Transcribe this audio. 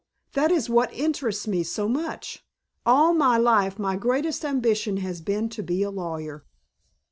That is what interests me so much. All my life my greatest ambition has been to be a lawyer."